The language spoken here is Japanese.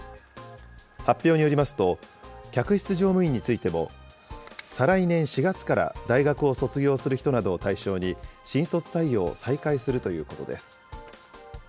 発表によりますと、客室乗務員についても、再来年４月から大学を卒業する人などを対象に、新卒採用を再開するということです。